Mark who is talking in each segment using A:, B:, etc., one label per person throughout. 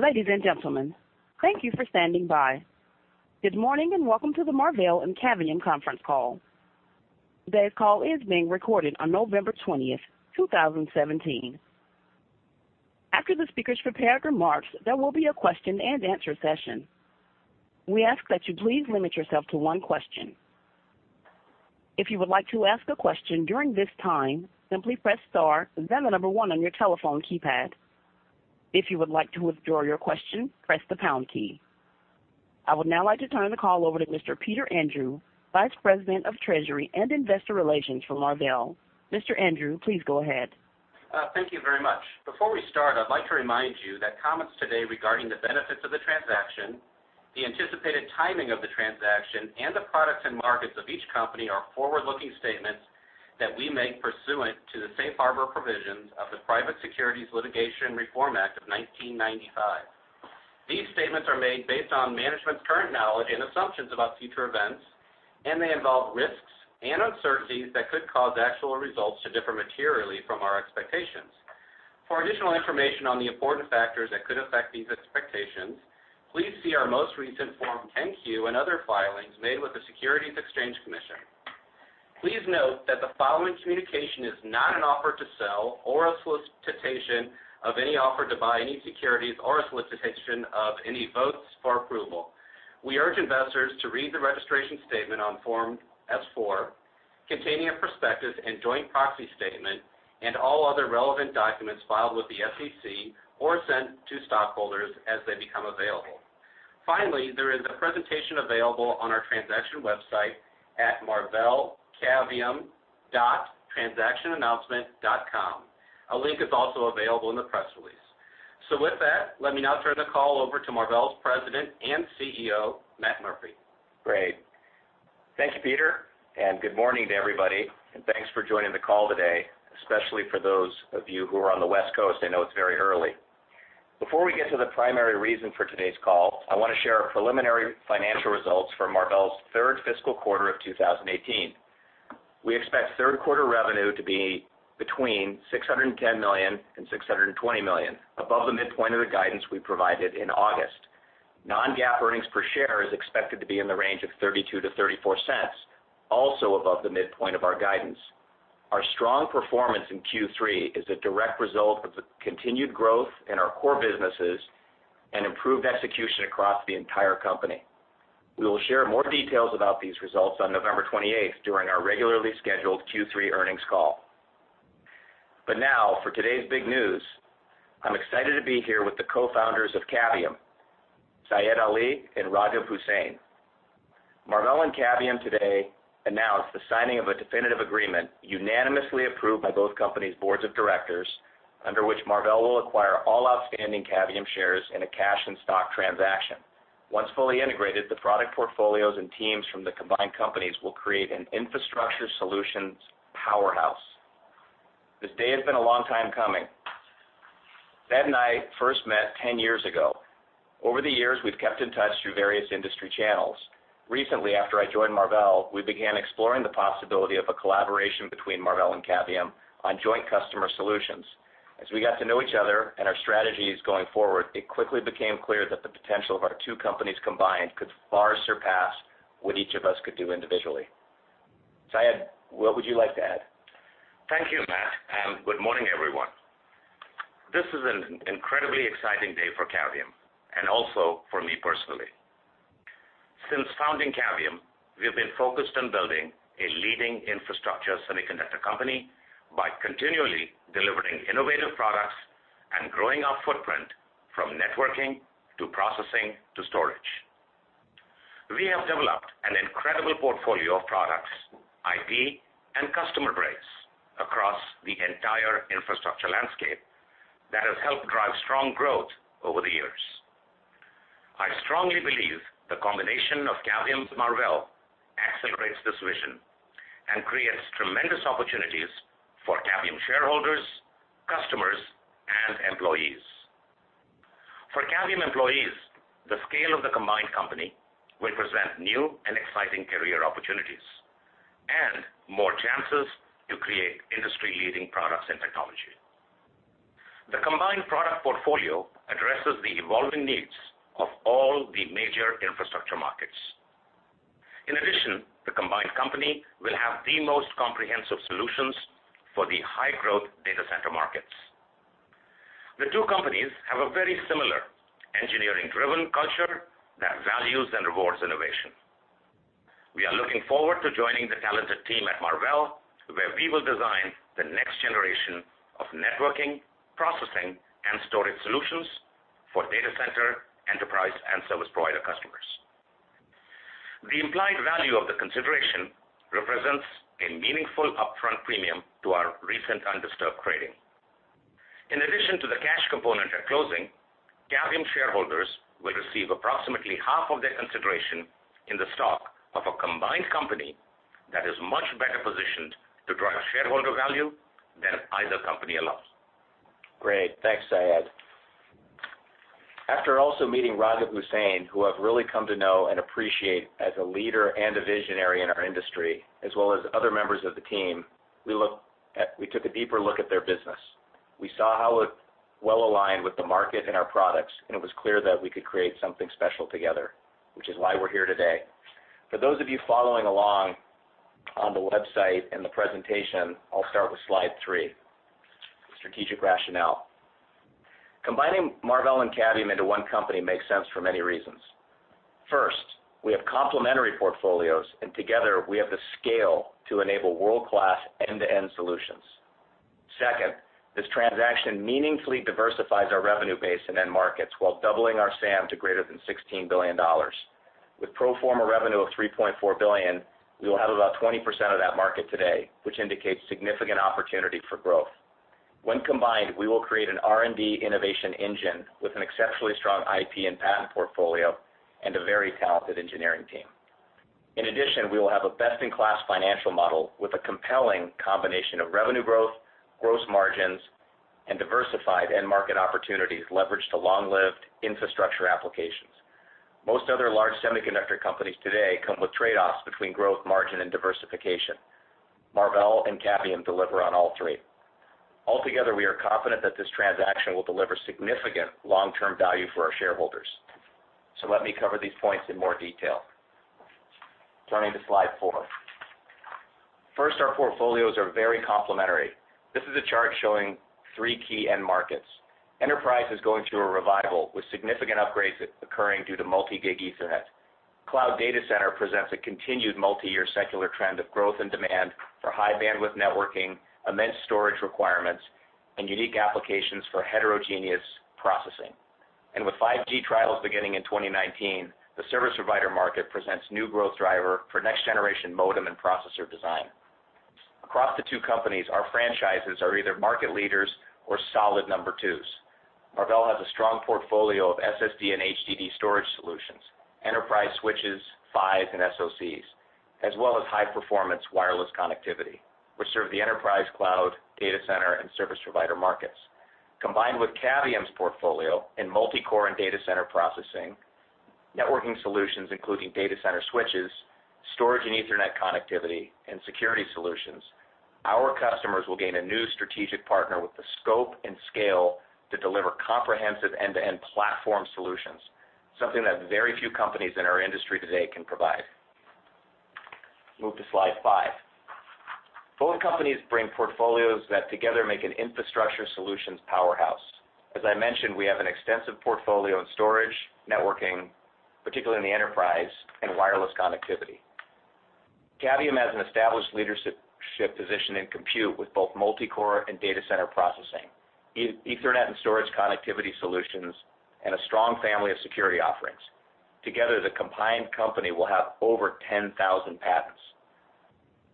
A: Ladies and gentlemen, thank you for standing by. Good morning, and welcome to the Marvell and Cavium conference call. Today's call is being recorded on November 20th, 2017. After the speakers' prepared remarks, there will be a question and answer session. We ask that you please limit yourself to one question. If you would like to ask a question during this time, simply press star, then the number one on your telephone keypad. If you would like to withdraw your question, press the pound key. I would now like to turn the call over to Mr. Peter Andrew, Vice President of Treasury and Investor Relations for Marvell. Mr. Andrew, please go ahead.
B: Thank you very much. Before we start, I'd like to remind you that comments today regarding the benefits of the transaction, the anticipated timing of the transaction, and the products and markets of each company are forward-looking statements that we make pursuant to the Safe Harbor provisions of the Private Securities Litigation Reform Act of 1995. These statements are made based on management's current knowledge and assumptions about future events, and they involve risks and uncertainties that could cause actual results to differ materially from our expectations. For additional information on the important factors that could affect these expectations, please see our most recent Form 10-Q and other filings made with the Securities and Exchange Commission. Please note that the following communication is not an offer to sell or a solicitation of any offer to buy any securities or a solicitation of any votes for approval. We urge investors to read the registration statement on Form S-4, containing a prospectus and joint proxy statement and all other relevant documents filed with the SEC or sent to stockholders as they become available. Finally, there is a presentation available on our transaction website at marvellcavium.transactionannouncement.com. A link is also available in the press release. With that, let me now turn the call over to Marvell's President and CEO, Matt Murphy.
C: Great. Thank you, Peter, and good morning to everybody, and thanks for joining the call today, especially for those of you who are on the West Coast. I know it's very early. Before we get to the primary reason for today's call, I want to share our preliminary financial results for Marvell's third fiscal quarter of 2018. We expect third quarter revenue to be between $610 million-$620 million, above the midpoint of the guidance we provided in August. Non-GAAP earnings per share is expected to be in the range of $0.32-$0.34, also above the midpoint of our guidance. Our strong performance in Q3 is a direct result of the continued growth in our core businesses and improved execution across the entire company. We will share more details about these results on November 28th during our regularly scheduled Q3 earnings call. Now, for today's big news, I'm excited to be here with the co-founders of Cavium, Syed Ali and Raghav Hussain. Marvell and Cavium today announced the signing of a definitive agreement unanimously approved by both companies' boards of directors, under which Marvell will acquire all outstanding Cavium shares in a cash and stock transaction. Once fully integrated, the product portfolios and teams from the combined companies will create an infrastructure solutions powerhouse. This day has been a long time coming. Syed and I first met 10 years ago. Over the years, we've kept in touch through various industry channels. Recently, after I joined Marvell, we began exploring the possibility of a collaboration between Marvell and Cavium on joint customer solutions. As we got to know each other and our strategies going forward, it quickly became clear that the potential of our two companies combined could far surpass what each of us could do individually. Syed, what would you like to add?
D: Thank you, Matt, and good morning, everyone. This is an incredibly exciting day for Cavium and also for me personally. Since founding Cavium, we have been focused on building a leading infrastructure semiconductor company by continually delivering innovative products and growing our footprint from networking to processing to storage. We have developed an incredible portfolio of products, IP, and customer base across the entire infrastructure landscape that has helped drive strong growth over the years. I strongly believe the combination of Cavium and Marvell accelerates this vision and creates tremendous opportunities for Cavium shareholders, customers, and employees. For Cavium employees, the scale of the combined company will present new and exciting career opportunities and more chances to create industry-leading products and technology. The combined product portfolio addresses the evolving needs of all the major infrastructure markets. In addition, the combined company will have the most comprehensive solutions for the high-growth data center markets. The two companies have a very similar engineering-driven culture that values and rewards innovation. We are looking forward to joining the talented team at Marvell, where we will design the next generation of networking, processing, and storage solutions for data center, enterprise, and service provider customers. The implied value of the consideration represents a meaningful upfront premium to our recent undisturbed trading. In addition to the cash component at closing, Cavium shareholders will receive approximately half of their consideration in the stock of a combined company that is much better positioned to drive shareholder value than either company alone.
C: Great. Thanks, Syed. After also meeting Raghav Hussain, who I've really come to know and appreciate as a leader and a visionary in our industry, as well as other members of the team. We took a deeper look at their business. We saw how it well-aligned with the market and our products. It was clear that we could create something special together, which is why we're here today. For those of you following along on the website and the presentation, I'll start with slide three, strategic rationale. Combining Marvell and Cavium into one company makes sense for many reasons. First, we have complementary portfolios. Together, we have the scale to enable world-class end-to-end solutions. Second, this transaction meaningfully diversifies our revenue base and end markets while doubling our SAM to greater than $16 billion. With pro forma revenue of $3.4 billion, we will have about 20% of that market today, which indicates significant opportunity for growth. When combined, we will create an R&D innovation engine with an exceptionally strong IP and patent portfolio and a very talented engineering team. In addition, we will have a best-in-class financial model with a compelling combination of revenue growth, gross margins, and diversified end market opportunities leveraged to long-lived infrastructure applications. Most other large semiconductor companies today come with trade-offs between growth, margin, and diversification. Marvell and Cavium deliver on all three. Altogether, we are confident that this transaction will deliver significant long-term value for our shareholders. Let me cover these points in more detail. Turning to slide four. First, our portfolios are very complementary. This is a chart showing three key end markets. Enterprise is going through a revival, with significant upgrades occurring due to multi-gig Ethernet. Cloud data center presents a continued multi-year secular trend of growth and demand for high-bandwidth networking, immense storage requirements, and unique applications for heterogeneous processing. With 5G trials beginning in 2019, the service provider market presents new growth driver for next-generation modem and processor design. Across the two companies, our franchises are either market leaders or solid number twos. Marvell has a strong portfolio of SSD and HDD storage solutions, enterprise switches, PHYs, and SoCs, as well as high-performance wireless connectivity, which serve the enterprise cloud, data center, and service provider markets. Combined with Cavium's portfolio in multi-core and data center processing, networking solutions including data center switches, storage and Ethernet connectivity, and security solutions, our customers will gain a new strategic partner with the scope and scale to deliver comprehensive end-to-end platform solutions, something that very few companies in our industry today can provide. Move to slide five. Both companies bring portfolios that together make an infrastructure solutions powerhouse. As I mentioned, we have an extensive portfolio in storage, networking, particularly in the enterprise, and wireless connectivity. Cavium has an established leadership position in compute with both multi-core and data center processing, Ethernet and storage connectivity solutions, and a strong family of security offerings. Together, the combined company will have over 10,000 patents.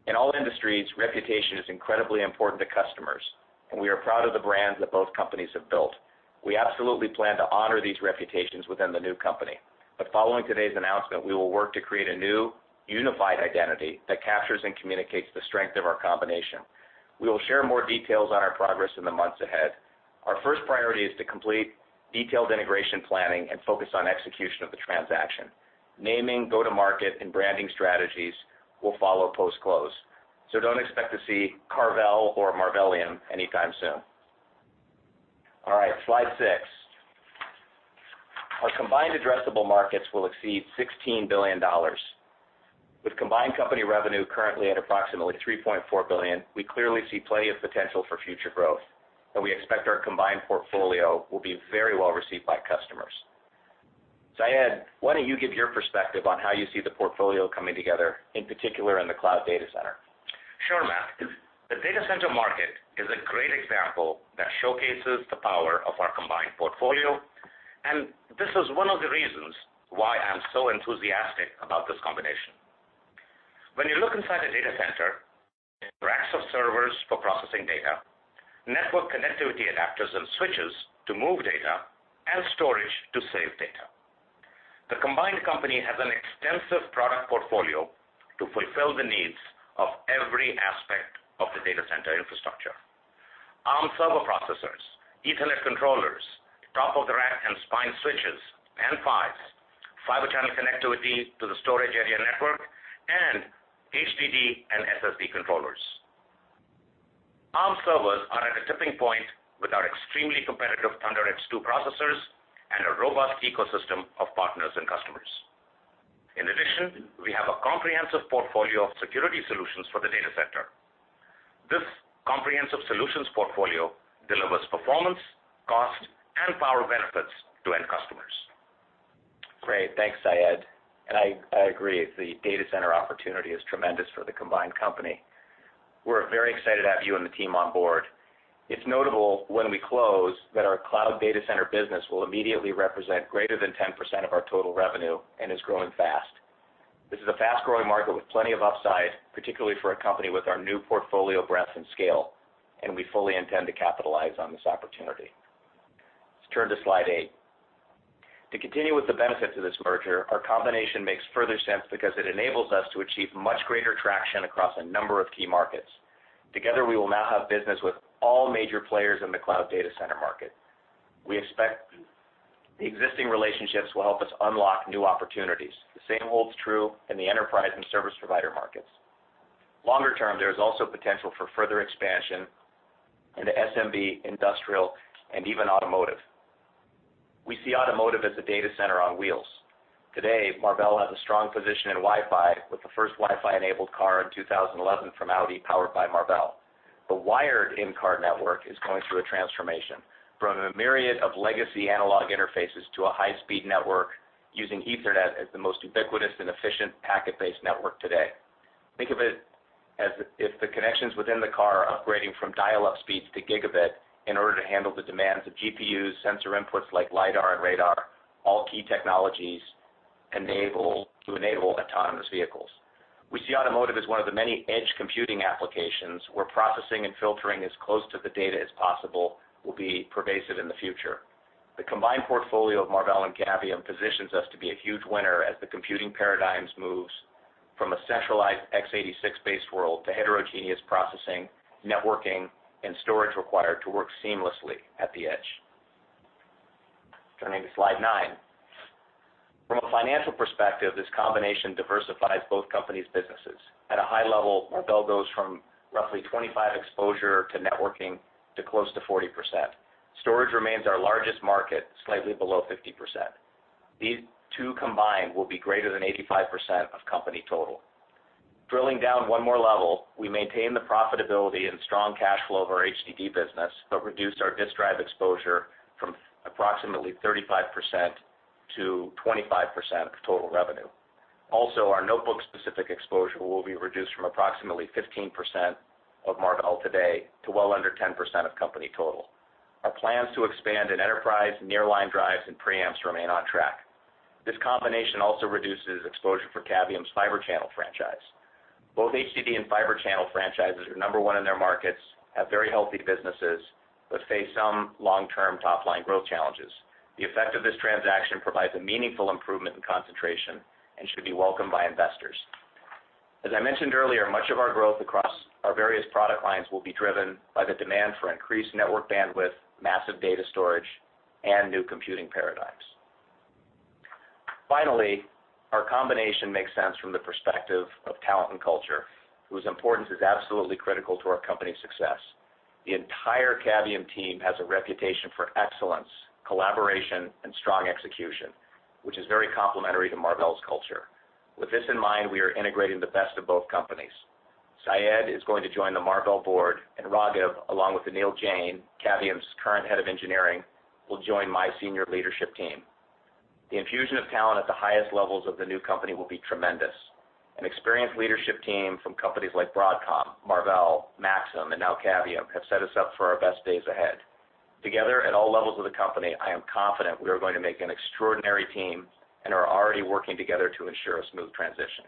C: In all industries, reputation is incredibly important to customers. We are proud of the brands that both companies have built. We absolutely plan to honor these reputations within the new company. Following today's announcement, we will work to create a new unified identity that captures and communicates the strength of our combination. We will share more details on our progress in the months ahead. Our first priority is to complete detailed integration planning and focus on execution of the transaction. Naming, go-to-market, and branding strategies will follow post-close. Don't expect to see Carvell or Marvellium anytime soon. All right, slide six. Our combined addressable markets will exceed $16 billion. With combined company revenue currently at approximately $3.4 billion, we clearly see plenty of potential for future growth, and we expect our combined portfolio will be very well received by customers. Syed, why don't you give your perspective on how you see the portfolio coming together, in particular in the cloud data center?
D: Sure, Matt. The data center market is a great example that showcases the power of our combined portfolio, and this is one of the reasons why I'm so enthusiastic about this combination. When you look inside a data center, racks of servers for processing data, network connectivity adapters and switches to move data, and storage to save data. The combined company has an extensive product portfolio to fulfill the needs of every aspect of the data center infrastructure. Arm server processors, Ethernet controllers, top-of-the-rack and spine switches, and PHYs, Fibre Channel connectivity to the storage area network, and HDD and SSD controllers. Arm servers are at a tipping point with our extremely competitive ThunderX2 processors and a robust ecosystem of partners and customers. In addition, we have a comprehensive portfolio of security solutions for the data center. This comprehensive solutions portfolio delivers performance, cost, and power benefits to end customers.
C: Great. Thanks, Syed. I agree. The data center opportunity is tremendous for the combined company. We're very excited to have you and the team on board. It's notable when we close that our cloud data center business will immediately represent greater than 10% of our total revenue and is growing fast. This is a fast-growing market with plenty of upside, particularly for a company with our new portfolio breadth and scale, and we fully intend to capitalize on this opportunity. Let's turn to slide eight. To continue with the benefits of this merger, our combination makes further sense because it enables us to achieve much greater traction across a number of key markets. Together, we will now have business with all major players in the cloud data center market. The existing relationships will help us unlock new opportunities. The same holds true in the enterprise and service provider markets. Longer term, there is also potential for further expansion in the SMB, industrial, and even automotive. We see automotive as a data center on wheels. Today, Marvell has a strong position in Wi-Fi with the first Wi-Fi enabled car in 2011 from Audi, powered by Marvell. The wired in-car network is going through a transformation from a myriad of legacy analog interfaces to a high-speed network using Ethernet as the most ubiquitous and efficient packet-based network today. Think of it as if the connections within the car are upgrading from dial-up speeds to gigabit in order to handle the demands of GPUs, sensor inputs like lidar and radar, all key technologies to enable autonomous vehicles. We see automotive as one of the many edge computing applications, where processing and filtering as close to the data as possible will be pervasive in the future. The combined portfolio of Marvell and Cavium positions us to be a huge winner as the computing paradigms moves from a centralized X86-based world to heterogeneous processing, networking, and storage required to work seamlessly at the edge. Turning to slide nine. From a financial perspective, this combination diversifies both companies' businesses. At a high level, Marvell goes from roughly 25% exposure to networking to close to 40%. Storage remains our largest market, slightly below 50%. These two combined will be greater than 85% of company total. Drilling down one more level, we maintain the profitability and strong cash flow of our HDD business, but reduce our disk drive exposure from approximately 35% to 25% of total revenue. Also, our notebook specific exposure will be reduced from approximately 15% of Marvell today to well under 10% of company total. Our plans to expand in enterprise, nearline drives, and preamps remain on track. This combination also reduces exposure for Cavium's Fibre Channel franchise. Both HDD and Fibre Channel franchises are number one in their markets, have very healthy businesses, but face some long-term top-line growth challenges. The effect of this transaction provides a meaningful improvement in concentration and should be welcomed by investors. As I mentioned earlier, much of our growth across our various product lines will be driven by the demand for increased network bandwidth, massive data storage, and new computing paradigms. Finally, our combination makes sense from the perspective of talent and culture, whose importance is absolutely critical to our company's success. The entire Cavium team has a reputation for excellence, collaboration, and strong execution, which is very complementary to Marvell's culture. With this in mind, we are integrating the best of both companies. Syed is going to join the Marvell board, and Raghav, along with Anil Jain, Cavium's current head of engineering, will join my senior leadership team. The infusion of talent at the highest levels of the new company will be tremendous. An experienced leadership team from companies like Broadcom, Marvell, Maxim Integrated, and now Cavium have set us up for our best days ahead. Together, at all levels of the company, I am confident we are going to make an extraordinary team and are already working together to ensure a smooth transition.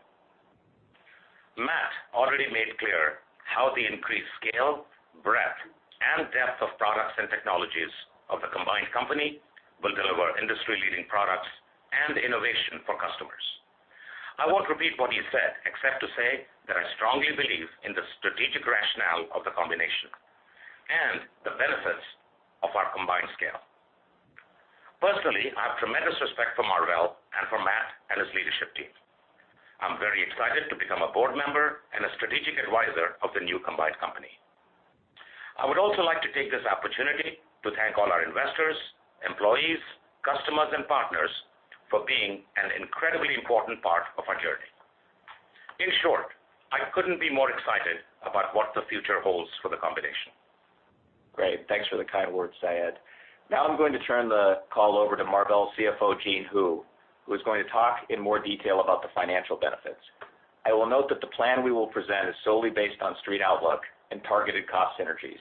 D: Matt already made clear how the increased scale, breadth, and depth of products and technologies of the combined company will deliver industry-leading products and innovation for customers. I won't repeat what he said, except to say that I strongly believe in the strategic rationale of the combination and the benefits of our combined scale. Personally, I have tremendous respect for Marvell and for Matt and his leadership team. I'm very excited to become a board member and a strategic advisor of the new combined company. I would also like to take this opportunity to thank all our investors, employees, customers, and partners for being an incredibly important part of our journey. In short, I couldn't be more excited about what the future holds for the combination.
C: Great. Thanks for the kind words, Syed. Now I'm going to turn the call over to Marvell CFO Jean Hu, who is going to talk in more detail about the financial benefits. I will note that the plan we will present is solely based on street outlook and targeted cost synergies.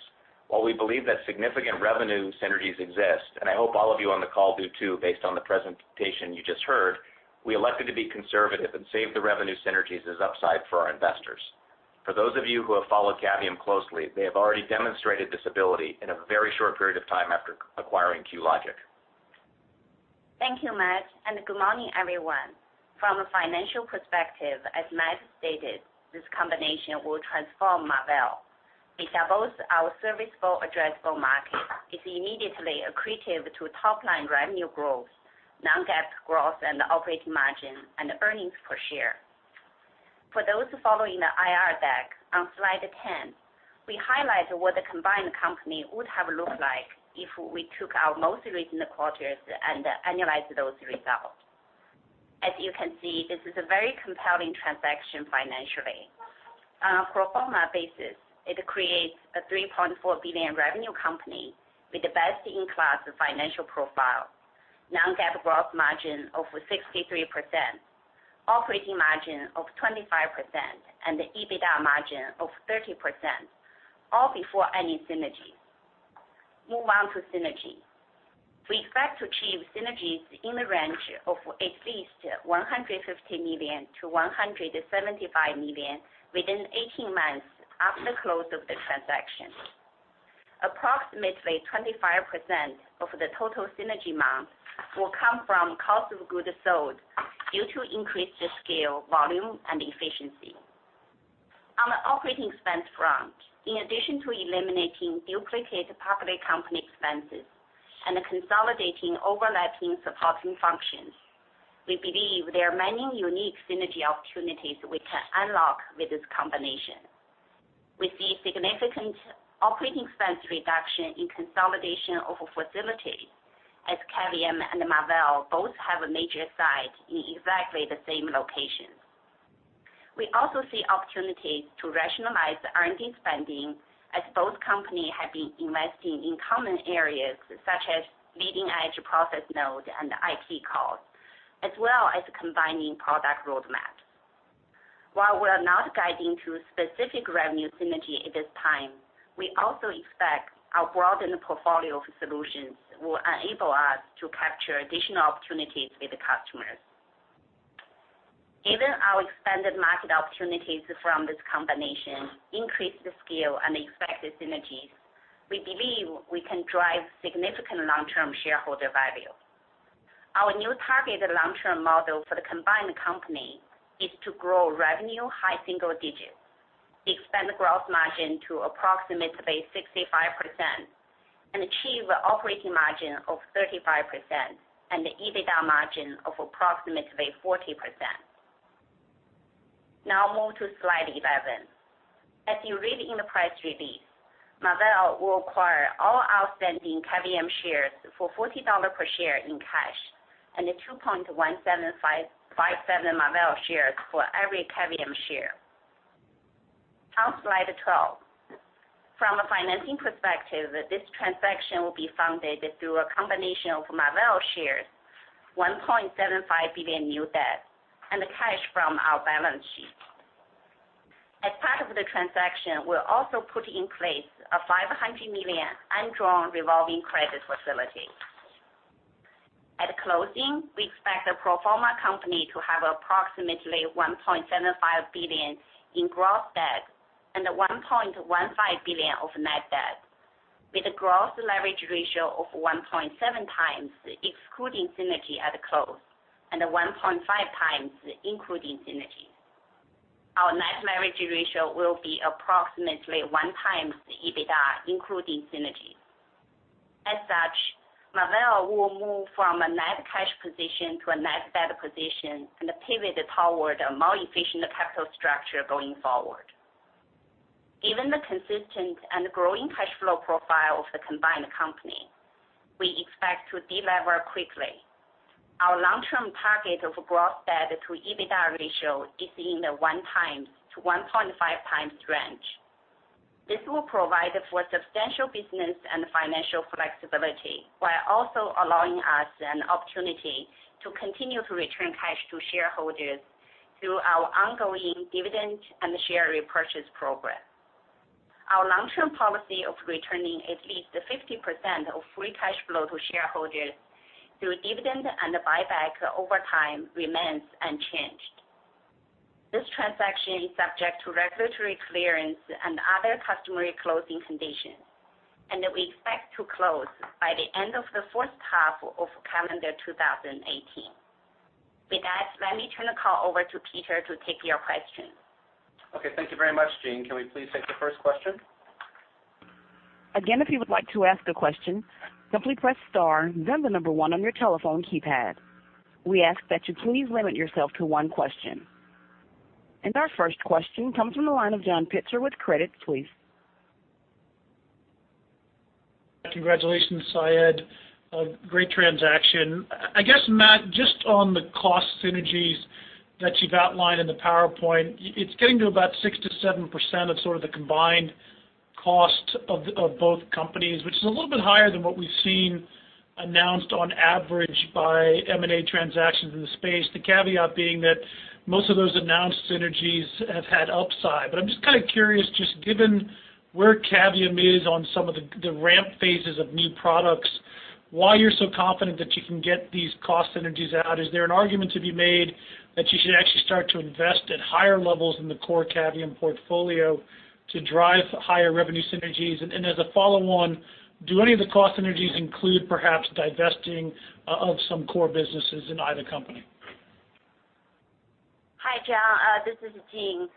C: While we believe that significant revenue synergies exist, and I hope all of you on the call do too, based on the presentation you just heard, we elected to be conservative and save the revenue synergies as upside for our investors. For those of you who have followed Cavium closely, they have already demonstrated this ability in a very short period of time after acquiring QLogic.
E: Thank you, Matt, and good morning, everyone. From a financial perspective, as Matt stated, this combination will transform Marvell. It doubles our serviceable addressable market. It's immediately accretive to top-line revenue growth, non-GAAP growth and operating margin and earnings per share. For those following the IR deck, on slide 10, we highlight what the combined company would have looked like if we took our most recent quarters and annualized those results. As you can see, this is a very compelling transaction financially. On a pro forma basis, it creates a $3.4 billion revenue company with the best-in-class financial profile, non-GAAP gross margin of 63%, operating margin of 25%, and the EBITDA margin of 30%, all before any synergy. Move on to synergy. We expect to achieve synergies in the range of at least $150 million-$175 million within 18 months after close of the transaction. Approximately 25% of the total synergy amount will come from cost of goods sold due to increased scale, volume, and efficiency. Operating expense front. In addition to eliminating duplicate public company expenses and consolidating overlapping supporting functions, we believe there are many unique synergy opportunities we can unlock with this combination. We see significant operating expense reduction in consolidation of facilities, as Cavium and Marvell both have a major site in exactly the same location. We also see opportunities to rationalize the R&D spending as both companies have been investing in common areas such as leading-edge process node and IP cores, as well as combining product roadmaps. While we are not guiding to specific revenue synergy at this time, we also expect our broadened portfolio of solutions will enable us to capture additional opportunities with the customers. Given our expanded market opportunities from this combination increase the scale and the expected synergies, we believe we can drive significant long-term shareholder value. Our new targeted long-term model for the combined company is to grow revenue high single digits, expand gross margin to approximately 65%, and achieve an operating margin of 35% and an EBITDA margin of approximately 40%. Now move to slide 11. As you read in the press release, Marvell will acquire all outstanding Cavium shares for $40 per share in cash and 2.175 Marvell shares for every Cavium share. Now slide 12. From a financing perspective, this transaction will be funded through a combination of Marvell shares, $1.75 billion new debt, and the cash from our balance sheet. As part of the transaction, we'll also put in place a $500 million undrawn revolving credit facility. At closing, we expect the pro forma company to have approximately $1.75 billion in gross debt and $1.15 billion of net debt with a gross leverage ratio of 1.7 times excluding synergy at close, and 1.5 times including synergy. Our net leverage ratio will be approximately 1 time the EBITDA, including synergy. As such, Marvell will move from a net cash position to a net debt position and pivot toward a more efficient capital structure going forward. Given the consistent and growing cash flow profile of the combined company, we expect to de-lever quickly. Our long-term target of gross debt to EBITDA ratio is in the 1 time to 1.5 times range. This will provide for substantial business and financial flexibility, while also allowing us an opportunity to continue to return cash to shareholders through our ongoing dividend and share repurchase program. Our long-term policy of returning at least 50% of free cash flow to shareholders through dividend and buyback over time remains unchanged. This transaction is subject to regulatory clearance and other customary closing conditions, and we expect to close by the end of the fourth quarter of calendar 2018. With that, let me turn the call over to Peter to take your questions.
B: Okay, thank you very much, Jean. Can we please take the first question?
A: Again, if you would like to ask a question, simply press star, then the number 1 on your telephone keypad. We ask that you please limit yourself to one question. Our first question comes from the line of John Pitzer with Credit Suisse.
F: Congratulations, Syed. A great transaction. I guess, Matt, just on the cost synergies that you've outlined in the PowerPoint, it's getting to about 6%-7% of sort of the combined cost of both companies, which is a little bit higher than what we've seen announced on average by M&A transactions in the space. The caveat being that most of those announced synergies have had upside. I'm just kind of curious, just given where Cavium is on some of the ramp phases of new products, why you're so confident that you can get these cost synergies out? Is there an argument to be made that you should actually start to invest at higher levels in the core Cavium portfolio to drive higher revenue synergies? As a follow-on, do any of the cost synergies include perhaps divesting of some core businesses in either company?
E: Hi, John. This is Jean.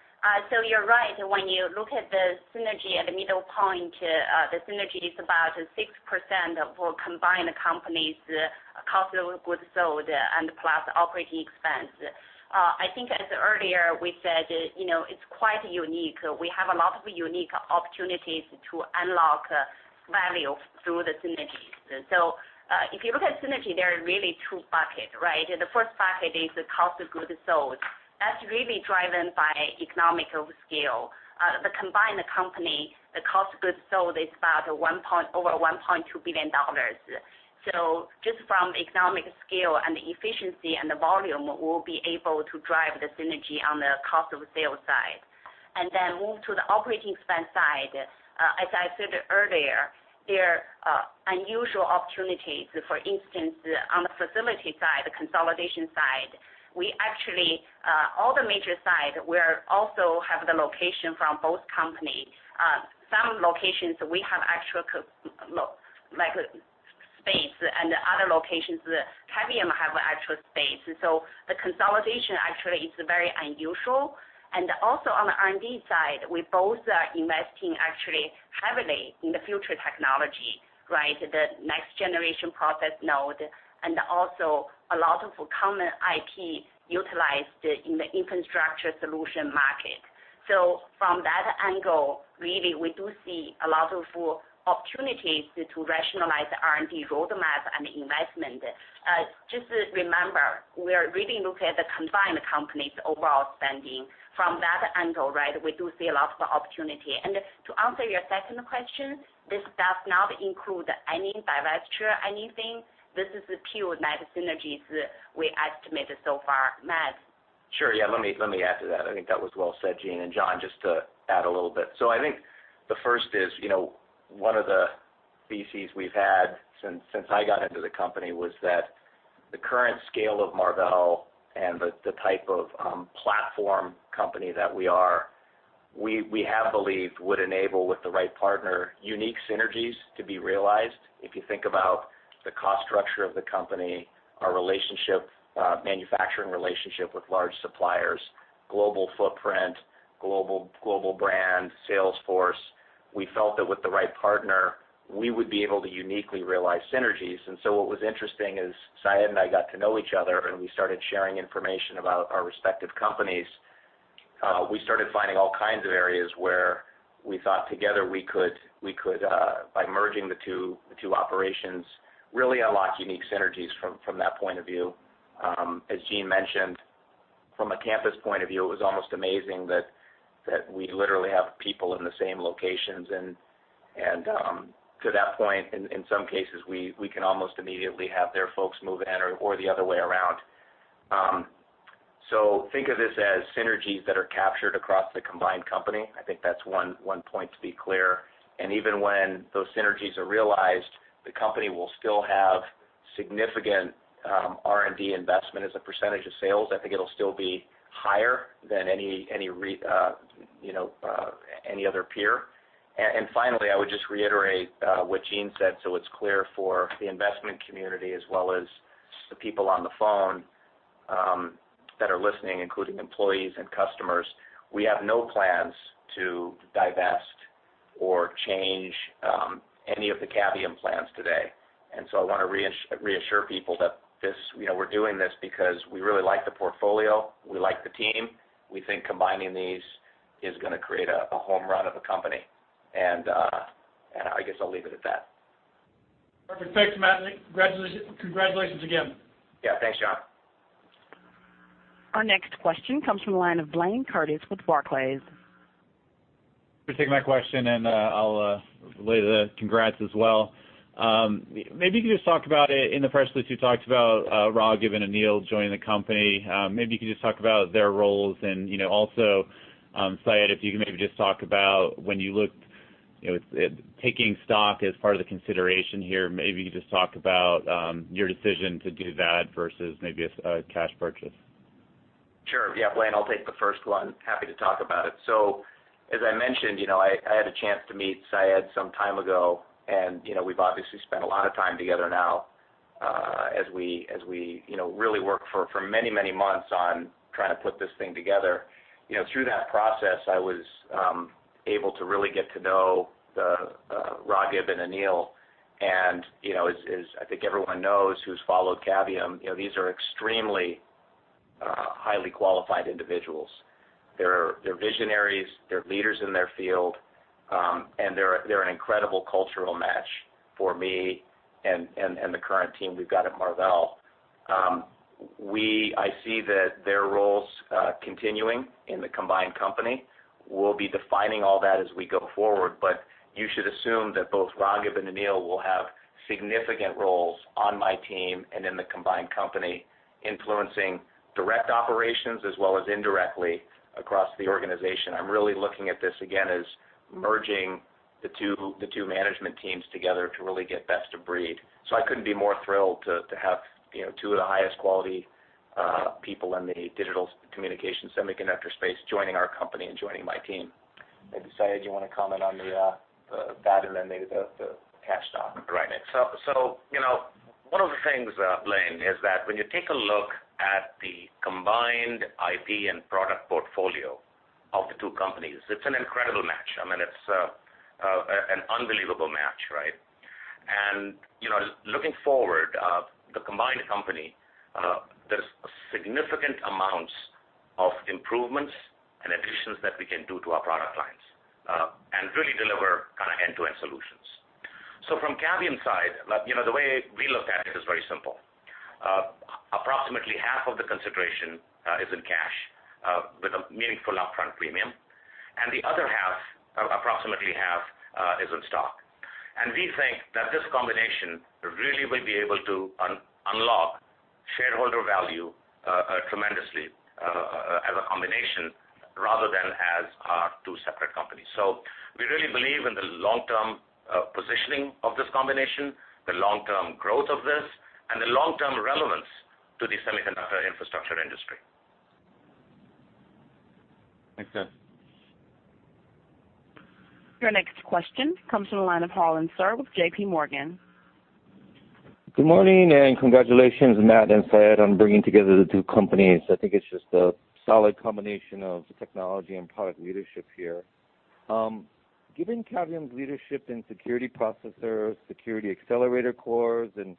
E: You're right. When you look at the synergy at the middle point, the synergy is about 6% of our combined companies' cost of goods sold and plus operating expense. I think as earlier we said, it's quite unique. We have a lot of unique opportunities to unlock value through the synergies. If you look at synergy, there are really two buckets, right? The first bucket is the cost of goods sold. That's really driven by economies of scale. The combined company, the cost of goods sold is about over $1.2 billion. Just from economies of scale and efficiency and the volume, we'll be able to drive the synergy on the cost of sales side. Then move to the operating expense side. As I said earlier, there are unusual opportunities. For instance, on the facility side, the consolidation side, all the major sites, we also have the location from both companies. Some locations we have actual. Space and other locations, Cavium have actual space. The consolidation actually is very unusual. Also on the R&D side, we both are investing actually heavily in the future technology, right? The next generation process node and also a lot of common IP utilized in the infrastructure solution market. From that angle, really, we do see a lot of opportunities to rationalize the R&D roadmap and investment. Just remember, we are really looking at the combined company's overall spending. From that angle, right, we do see a lot of opportunity. To answer your second question, this does not include any divestiture, anything. This is the pure net synergies we estimated so far. Matt?
C: Sure. Yeah, let me add to that. I think that was well said, Jean, and John, just to add a little bit. I think the first is, one of the theses we've had since I got into the company was that the current scale of Marvell Technology and the type of platform company that we are, we have believed would enable with the right partner, unique synergies to be realized. If you think about the cost structure of the company, our relationship, manufacturing relationship with large suppliers, global footprint, global brand, sales force, we felt that with the right partner, we would be able to uniquely realize synergies. What was interesting is, Syed and I got to know each other, and we started sharing information about our respective companies. We started finding all kinds of areas where we thought together we could, by merging the two operations, really unlock unique synergies from that point of view. As Jean mentioned, from a campus point of view, it was almost amazing that we literally have people in the same locations. To that point, in some cases, we can almost immediately have their folks move in or the other way around. Think of this as synergies that are captured across the combined company. I think that's one point to be clear. Even when those synergies are realized, the company will still have significant R&D investment as a percentage of sales. I think it'll still be higher than any other peer. Finally, I would just reiterate what Jean said, so it's clear for the investment community as well as the people on the phone that are listening, including employees and customers, we have no plans to divest or change any of the Cavium plans today. I want to reassure people that we're doing this because we really like the portfolio, we like the team. We think combining these is going to create a home run of a company. I guess I'll leave it at that.
F: Perfect. Thanks, Matt. Congratulations again.
C: Thanks, John.
A: Our next question comes from the line of Blayne Curtis with Barclays.
G: Thanks for taking my question, and I'll relay the congrats as well. Maybe you could just talk about it. In the press release, you talked about Raghav and Anil joining the company. Maybe you could just talk about their roles and, also Syed, if you can maybe just talk about when you looked at taking stock as part of the consideration here, maybe just talk about your decision to do that versus maybe a cash purchase.
C: Sure. Blayne, I'll take the first one. Happy to talk about it. As I mentioned, I had a chance to meet Syed some time ago, and we've obviously spent a lot of time together now as we really work for many months on trying to put this thing together. Through that process, I was able to really get to know Raghav and Anil, and as I think everyone knows who's followed Cavium, these are extremely highly qualified individuals. They're visionaries, they're leaders in their field, and they're an incredible cultural match for me and the current team we've got at Marvell. I see that their roles continuing in the combined company. We'll be defining all that as we go forward, but you should assume that both Raghav and Anil will have significant roles on my team and in the combined company, influencing direct operations as well as indirectly across the organization. I'm really looking at this again as merging the two management teams together to really get best of breed. I couldn't be more thrilled to have two of the highest quality people in the digital communication semiconductor space joining our company and joining my team. Maybe Syed, you want to comment on that and then maybe the cash stock?
D: Right. One of the things, Blayne, is that when you take a look at the combined IP and product portfolio of the two companies, it's an incredible match. I mean, it's an unbelievable match, right? Looking forward, the combined company, there's significant amounts of improvements and additions that we can do to our product lines and really deliver kind of end-to-end solutions. From Cavium's side, the way we look at it is very simple. Approximately half of the consideration is in cash with a meaningful upfront premium. The other half, approximately half, is in stock. We think that this combination really will be able to unlock shareholder value tremendously as a combination rather than as two separate companies. We really believe in the long-term positioning of this combination, the long-term growth of this, and the long-term relevance to the semiconductor infrastructure industry.
C: Thanks, guys.
A: Your next question comes from the line of Harlan Sur with JP Morgan.
H: Good morning. Congratulations, Matt and Syed, on bringing together the two companies. I think it's just a solid combination of technology and product leadership here. Given Cavium's leadership in security processors, security accelerator cores, and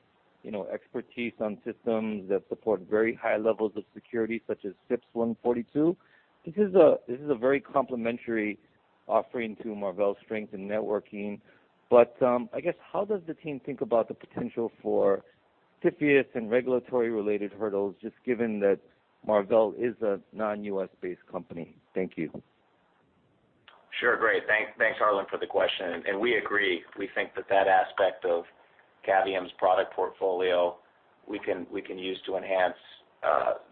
H: expertise on systems that support very high levels of security, such as FIPS 140-2, this is a very complementary offering to Marvell's strength in networking. I guess, how does the team think about the potential for CFIUS and regulatory-related hurdles, just given that Marvell is a non-U.S.-based company? Thank you.
C: Sure. Great. Thanks, Harlan, for the question. We agree. We think that aspect of Cavium's product portfolio we can use to enhance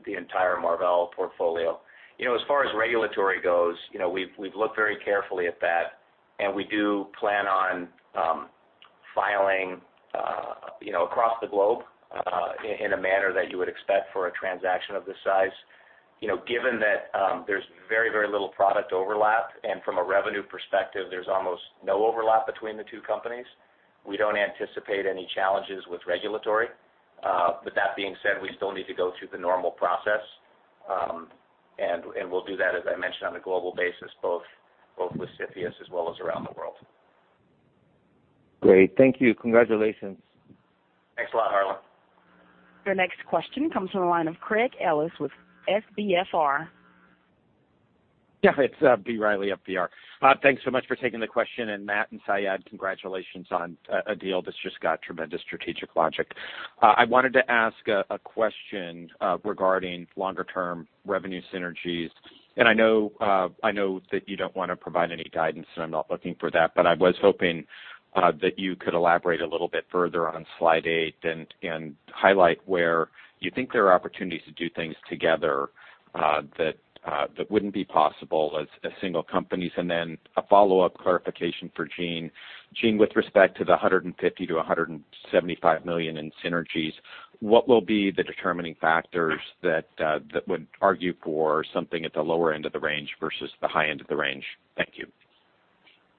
C: the entire Marvell portfolio. As far as regulatory goes, we've looked very carefully at that, and we do plan on filing across the globe, in a manner that you would expect for a transaction of this size. Given that there's very little product overlap, and from a revenue perspective, there's almost no overlap between the two companies, we don't anticipate any challenges with regulatory. With that being said, we still need to go through the normal process, and we'll do that, as I mentioned, on a global basis, both with CFIUS as well as around the world.
H: Great. Thank you. Congratulations.
C: Thanks a lot, Harlan.
A: Your next question comes from the line of Craig Ellis with FBR.
I: It's B. Riley FBR. Thanks so much for taking the question, Matt and Syed, congratulations on a deal that's just got tremendous strategic logic. I wanted to ask a question regarding longer-term revenue synergies. I know that you don't want to provide any guidance, and I'm not looking for that, but I was hoping that you could elaborate a little bit further on slide eight and highlight where you think there are opportunities to do things together that wouldn't be possible as single companies. Then a follow-up clarification for Jean. Jean, with respect to the $150 million-$175 million in synergies, what will be the determining factors that would argue for something at the lower end of the range versus the high end of the range? Thank you.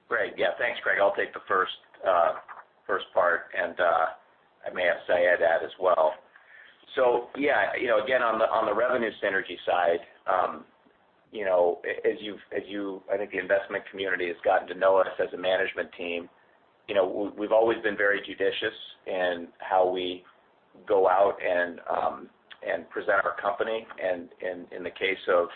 C: Great. Thanks, Craig. I'll take the first part, and I may ask Syed to add as well. Again, on the revenue synergy side, I think the investment community has gotten to know us as a management team. We've always been very judicious in how we go out and present our company. In the case of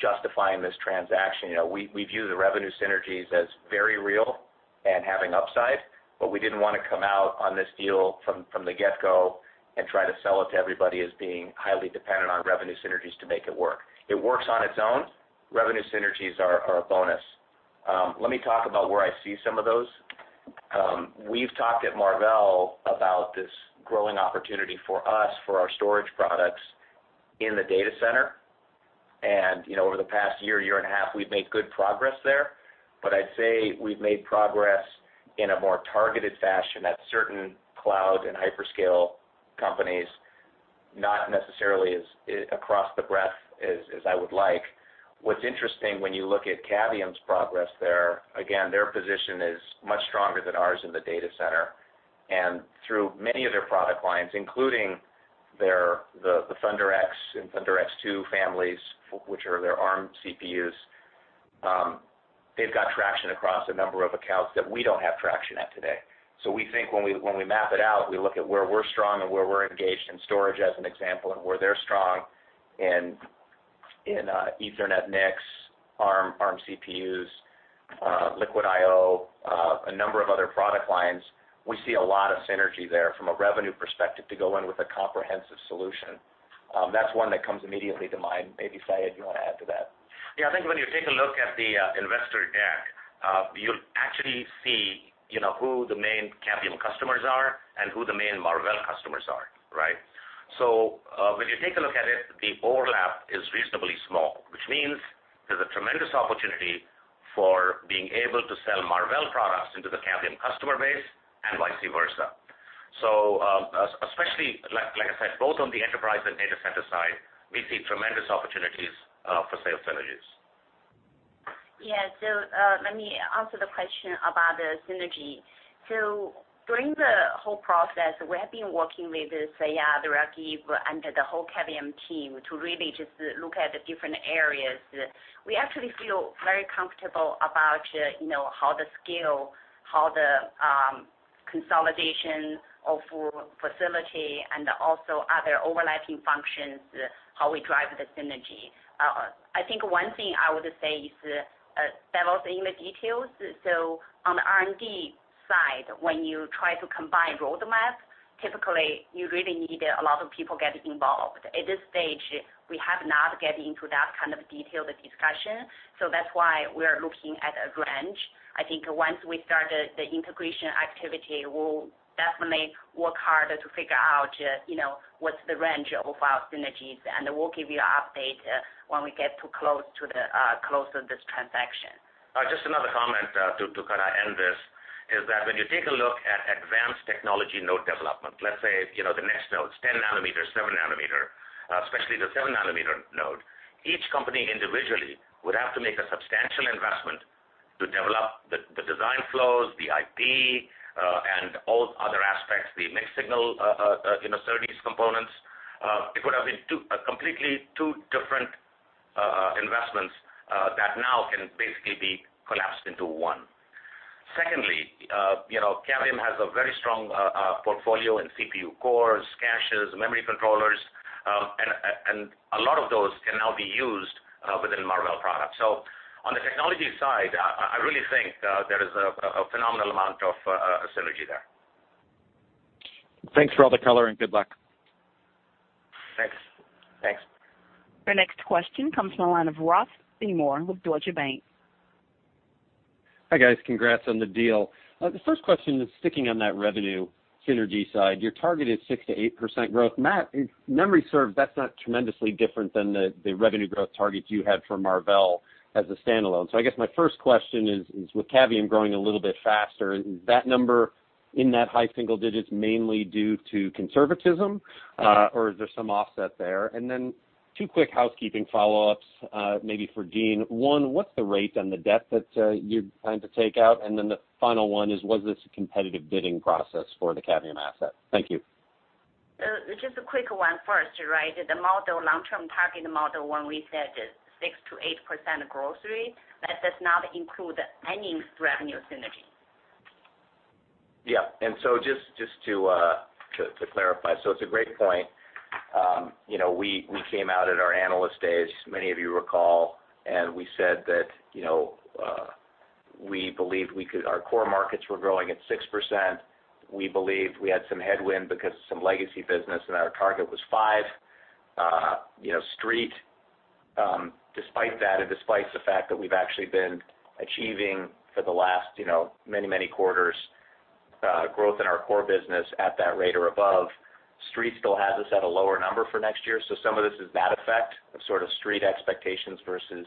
C: justifying this transaction, we view the revenue synergies as very real and having upside, but we didn't want to come out on this deal from the get-go and try to sell it to everybody as being highly dependent on revenue synergies to make it work. It works on its own. Revenue synergies are a bonus. Let me talk about where I see some of those. We've talked at Marvell about this growing opportunity for us, for our storage products in the data center. Over the past year and a half, we've made good progress there. I'd say we've made progress in a more targeted fashion at certain cloud and hyperscale companies, not necessarily across the breadth as I would like. What's interesting when you look at Cavium's progress there, again, their position is much stronger than ours in the data center. Through many of their product lines, including the ThunderX and ThunderX2 families, which are their Arm CPUs, they've got traction across a number of accounts that we don't have traction at today. We think when we map it out, we look at where we're strong and where we're engaged in storage as an example, and where they're strong in Ethernet NICs, Arm CPUs, LiquidIO, a number of other product lines. We see a lot of synergy there from a revenue perspective to go in with a comprehensive solution. That's one that comes immediately to mind. Maybe Syed, you want to add to that?
D: Yeah, I think when you take a look at the investor deck, you'll actually see who the main Cavium customers are and who the main Marvell customers are. Right? When you take a look at it, the overlap is reasonably small, which means there's a tremendous opportunity for being able to sell Marvell products into the Cavium customer base and vice versa. Especially, like I said, both on the enterprise and data center side, we see tremendous opportunities for sales synergies.
E: Yeah. Let me answer the question about the synergy. During the whole process, we have been working with Syed, Raghav, and the whole Cavium team to really just look at the different areas. We actually feel very comfortable about how the skill, how the consolidation of facility, and also other overlapping functions, how we drive the synergy. I think one thing I would say is devil's in the details. On the R&D side, when you try to combine roadmaps, typically you really need a lot of people get involved. At this stage, we have not get into that kind of detailed discussion. That's why we are looking at a range. I think once we start the integration activity, we'll definitely work harder to figure out what's the range of our synergies, and we'll give you an update when we get close to the close of this transaction.
D: Just another comment to kind of end this is that when you take a look at advanced technology node development, let's say, the next nodes, 10 nanometer, seven nanometer, especially the seven nanometer node, each company individually would have to make a substantial investment to develop the design flows, the IP, and all other aspects, the mixed signal, SerDes components. It would've been completely two different investments that now can basically be collapsed into one. Secondly, Cavium has a very strong portfolio in CPU cores, caches, memory controllers, and a lot of those can now be used within Marvell products. On the technology side, I really think there is a phenomenal amount of synergy there.
I: Thanks for all the color and good luck.
D: Thanks.
A: Your next question comes from the line of Ross Seymore with Deutsche Bank.
J: Hi, guys. Congrats on the deal. The first question is sticking on that revenue synergy side. Your target is 6%-8% growth. Matt, if memory serves, that's not tremendously different than the revenue growth targets you had for Marvell as a standalone. I guess my first question is, with Cavium growing a little bit faster, is that number in that high single digits mainly due to conservatism, or is there some offset there? And then two quick housekeeping follow-ups, maybe for Jean. One, what's the rate on the debt that you're planning to take out? And then the final one is, was this a competitive bidding process for the Cavium asset? Thank you.
E: Just a quick one first. The long-term target model, when we said is 6%-8% growth rate, that does not include any revenue synergy.
C: Just to clarify, it's a great point. We came out at our Analyst Day, as many of you recall, we said that we believed our core markets were growing at 6%. We believed we had some headwind because of some legacy business, and our target was 5%. Street, despite that, and despite the fact that we've actually been achieving for the last many quarters, growth in our core business at that rate or above, Street still has us at a lower number for next year. Some of this is that effect of sort of Street expectations versus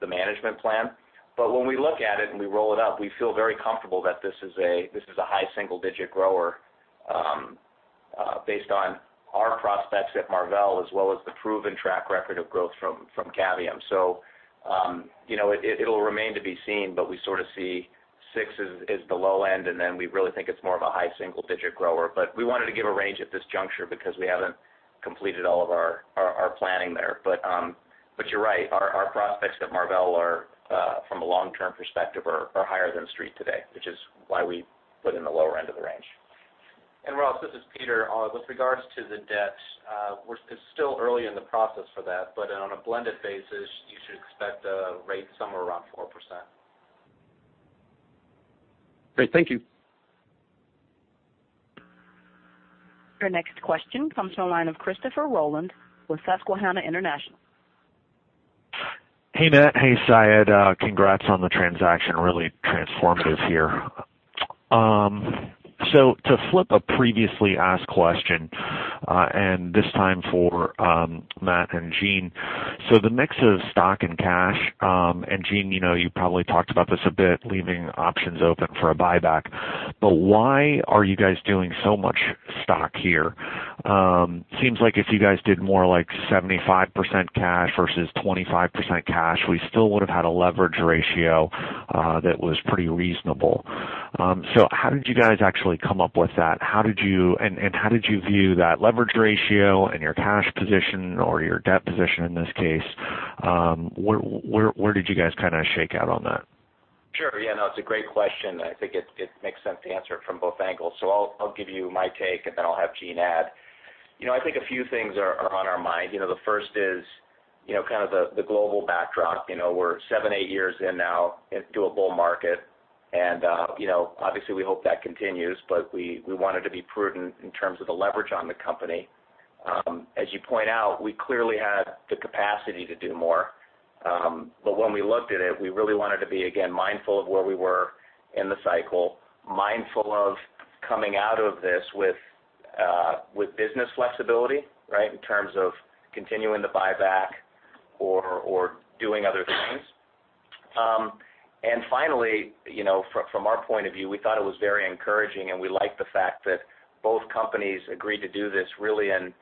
C: the management plan. When we look at it and we roll it up, we feel very comfortable that this is a high single digit grower, based on our prospects at Marvell, as well as the proven track record of growth from Cavium. It'll remain to be seen, we sort of see 6% as the low end, we really think it's more of a high single digit grower. We wanted to give a range at this juncture because we haven't completed all of our planning there. You're right, our prospects at Marvell are, from a long-term perspective, are higher than Street today, which is why we put in the lower end of the range.
B: Ross, this is Peter. With regards to the debt, we're still early in the process for that, on a blended basis, you should expect a rate somewhere around 4%.
J: Great. Thank you.
A: Your next question comes from the line of Christopher Rolland with Susquehanna International Group.
K: Hey, Matt. Hey, Syed. Congrats on the transaction. Really transformative here. To flip a previously asked question, and this time for Matt and Jean. The mix of stock and cash, and Jean, you probably talked about this a bit, leaving options open for a buyback. Why are you guys doing so much stock here? Seems like if you guys did more like 75% cash versus 25% cash, we still would've had a leverage ratio that was pretty reasonable. How did you guys actually come up with that? How did you view that leverage ratio and your cash position or your debt position in this case? Where did you guys kind of shake out on that?
C: Sure. Yeah, no, it's a great question, and I think it makes sense to answer it from both angles. I'll give you my take, and then I'll have Jean add. I think a few things are on our mind. The first is kind of the global backdrop. We're seven, eight years in now into a bull market, and obviously we hope that continues, but we wanted to be prudent in terms of the leverage on the company. As you point out, we clearly had the capacity to do more. When we looked at it, we really wanted to be, again, mindful of where we were in the cycle, mindful of coming out of this with business flexibility, right, in terms of continuing the buyback or doing other things. Finally, from our point of view, we thought it was very encouraging, we liked the fact that both companies agreed to do this really in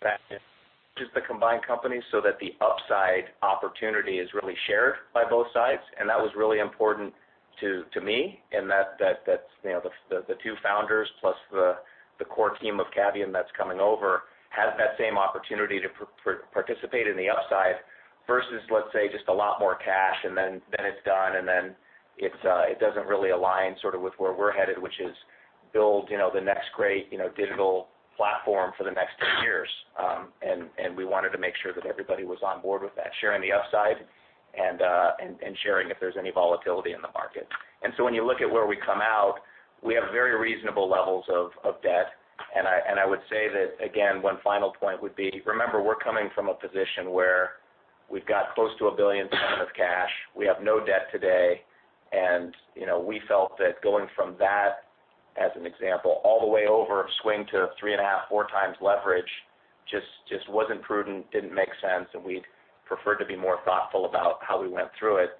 C: fashion, just the combined company, so that the upside opportunity is really shared by both sides. That was really important to me, the two founders plus the core team of Cavium that's coming over, have that same opportunity to participate in the upside versus, let's say, just a lot more cash and then it's done, and then it doesn't really align sort of with where we're headed, which is build the next great digital platform for the next 10 years. We wanted to make sure that everybody was on board with that, sharing the upside and sharing if there's any volatility in the market. When you look at where we come out, we have very reasonable levels of debt, I would say that, again, one final point would be, remember, we're coming from a position where we've got close to $1 billion of cash. We have no debt today, we felt that going from that As an example, all the way over swing to 3.5, 4 times leverage just wasn't prudent, didn't make sense, we'd prefer to be more thoughtful about how we went through it.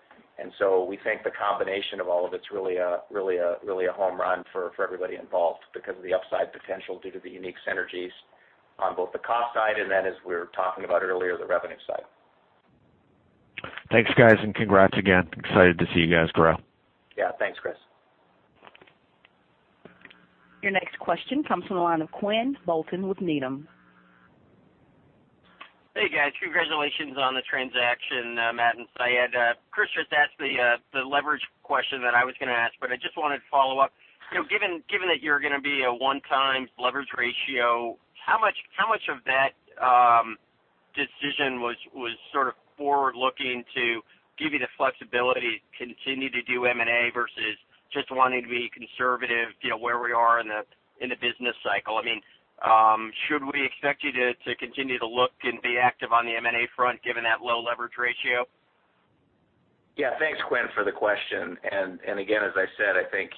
C: We think the combination of all of it's really a home run for everybody involved because of the upside potential due to the unique synergies on both the cost side and then as we were talking about earlier, the revenue side.
K: Thanks, guys, congrats again. Excited to see you guys grow.
C: Yeah. Thanks, Chris.
A: Your next question comes from the line of Quinn Bolton with Needham.
L: Hey, guys. Congratulations on the transaction, Matt and Syed. Chris just asked the leverage question that I was going to ask. I just wanted to follow up. Given that you're going to be a one-time leverage ratio, how much of that decision was sort of forward-looking to give you the flexibility to continue to do M&A versus just wanting to be conservative, where we are in the business cycle? Should we expect you to continue to look and be active on the M&A front given that low leverage ratio?
C: Yeah. Thanks, Quinn, for the question. Again, as I said, I think,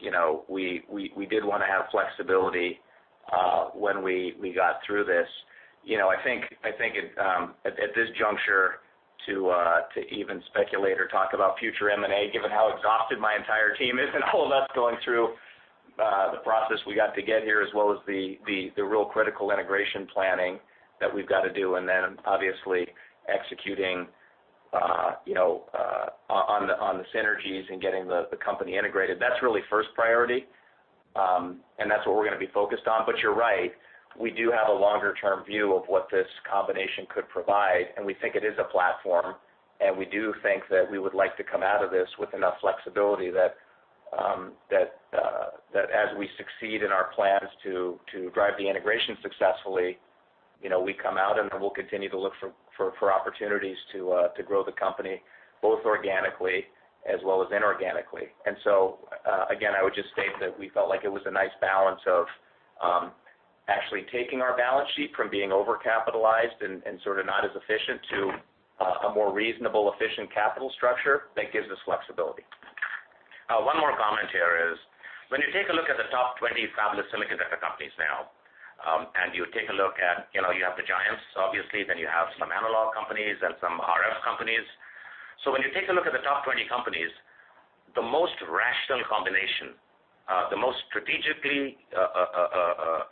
C: we did want to have flexibility when we got through this. I think at this juncture to even speculate or talk about future M&A, given how exhausted my entire team is and all of us going through the process we got to get here, as well as the real critical integration planning that we've got to do, then obviously executing on the synergies and getting the company integrated, that's really first priority. That's what we're going to be focused on. You're right, we do have a longer-term view of what this combination could provide, and we think it is a platform, and we do think that we would like to come out of this with enough flexibility that as we succeed in our plans to drive the integration successfully, we come out and then we'll continue to look for opportunities to grow the company, both organically as well as inorganically. Again, I would just state that we felt like it was a nice balance of actually taking our balance sheet from being over-capitalized and sort of not as efficient to a more reasonable, efficient capital structure that gives us flexibility.
D: One more comment here is, when you take a look at the top 20 fabless semiconductor companies now, and you take a look at, you have the giants, obviously, then you have some analog companies and some RF companies. When you take a look at the top 20 companies, the most rational combination, the most strategically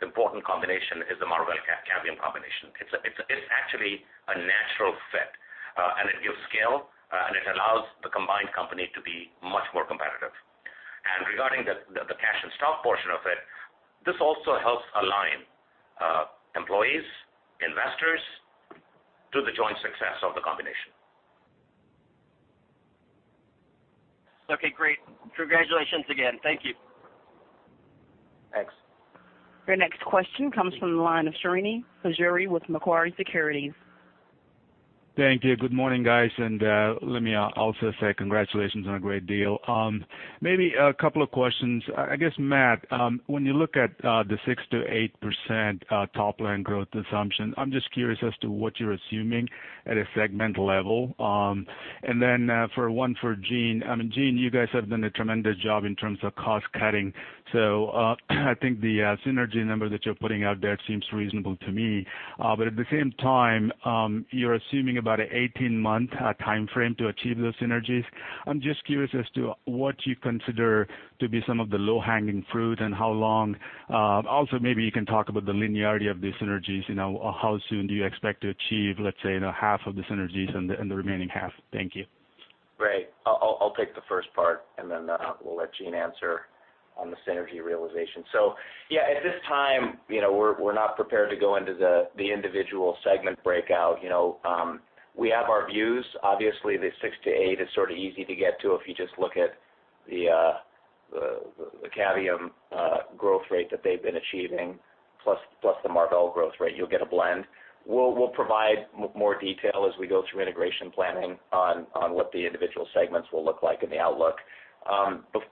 D: important combination is the Marvell-Cavium combination. It's actually a natural fit, and it gives scale, and it allows the combined company to be much more competitive. Regarding the cash and stock portion of it, this also helps align employees, investors to the joint success of the combination.
L: Okay, great. Congratulations again. Thank you.
C: Thanks.
A: Your next question comes from the line of Srinivas Pajjuri with Macquarie Securities.
M: Thank you. Good morning, guys. Let me also say congratulations on a great deal. Maybe a couple of questions. I guess, Matt, when you look at the 6%-8% top-line growth assumption, I'm just curious as to what you're assuming at a segment level. Then one for Jean. Jean, you guys have done a tremendous job in terms of cost cutting, so I think the synergy number that you're putting out there seems reasonable to me. At the same time, you're assuming about an 18-month timeframe to achieve those synergies. I'm just curious as to what you consider to be some of the low-hanging fruit and how long. Also, maybe you can talk about the linearity of the synergies. How soon do you expect to achieve, let's say, half of the synergies and the remaining half? Thank you.
C: Great. I'll take the first part. We'll let Jean answer on the synergy realization. At this time, we're not prepared to go into the individual segment breakout. We have our views. Obviously, the 6%-8% is sort of easy to get to if you just look at the Cavium growth rate that they've been achieving, plus the Marvell growth rate. You'll get a blend. We'll provide more detail as we go through integration planning on what the individual segments will look like in the outlook.